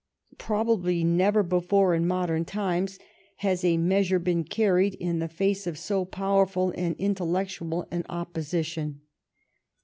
Probably never before in mod ern times has a measure been carried in the face of so powerful and intellectual afi opposition.